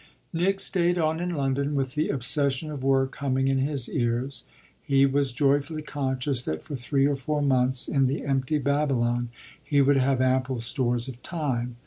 Nick stayed on in London with the obsession of work humming in his ears; he was joyfully conscious that for three or four months, in the empty Babylon, he would have ample stores of time.